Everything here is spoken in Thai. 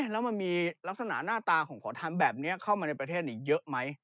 แล้วมันมีลักษณะหน้าตาของขอทำแบบนี้เข้ามาในประเทศนี้เยอะไหม